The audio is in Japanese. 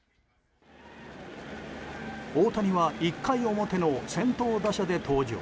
大谷は１回表の先頭打者で登場。